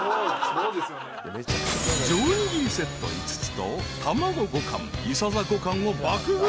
［上にぎりセット５つとたまご５貫いさざ５貫を爆食い］